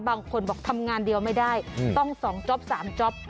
บางคนบอกทำงานเดียวไม่ได้ต้อง๒จ๊อป๓จ๊อป